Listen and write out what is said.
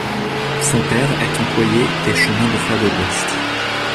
Son père est employé des Chemins de fer de l'Ouest.